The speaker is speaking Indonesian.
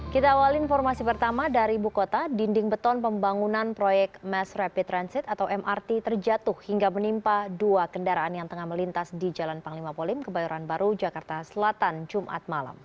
kita awal informasi pertama dari ibu kota dinding beton pembangunan proyek mass rapid transit atau mrt terjatuh hingga menimpa dua kendaraan yang tengah melintas di jalan panglima polim kebayoran baru jakarta selatan jumat malam